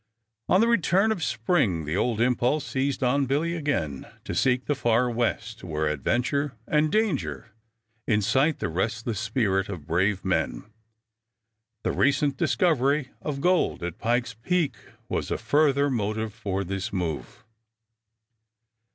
On the return of spring the old impulse seized on Billy again to seek the far West, where adventure and danger incite the restless spirit of brave men. The recent discovery of gold at Pike's Peak was a further motive for this move.